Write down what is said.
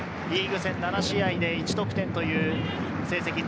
リーグ戦７試合で１得点という成績。